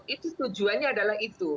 itu tujuannya adalah itu